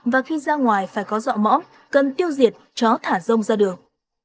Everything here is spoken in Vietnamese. và khi ra ngoài phải có dọa mõm cần tiêu diệt chó thả rông ra đường